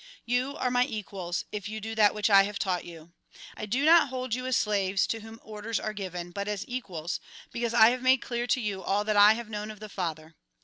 " You are my equals, if you do that which I have taught you. I do not hold you as slaves, to whom orders are given, but as equals ; because I have made clear to you all that I have known of the Father.